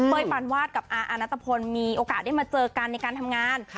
ปานวาดกับอาอาณัตภพลมีโอกาสได้มาเจอกันในการทำงาน